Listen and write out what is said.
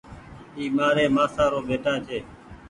اي مآري مآسآ رو ٻيٽآ ڇي۔